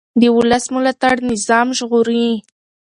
د ولس ملاتړ نظام ژغوري